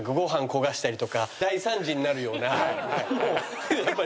大惨事になるような。